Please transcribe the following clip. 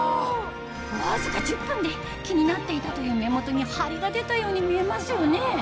わずか１０分で気になっていたという目元にハリが出たように見えますよね